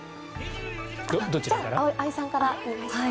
葵さんからお願いします。